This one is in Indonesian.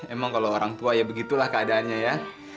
emang kalau orang tua ya begitulah keadaannya ya